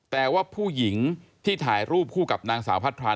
แต่ว่าผู้หญิงที่ถ่ายรูปคู่กับนางสาวพัทรา